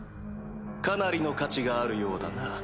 かなりの価値があるようだな。